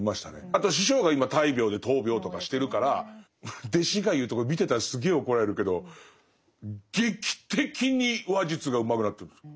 あと師匠が今大病で闘病とかしてるから弟子が言うとこれ見てたらすげえ怒られるけど劇的に話術がうまくなってるんです。